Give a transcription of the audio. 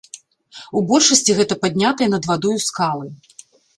У большасці гэта паднятыя над вадою скалы.